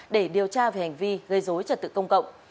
để điều tra về hành vi gây dối trật tự công cộng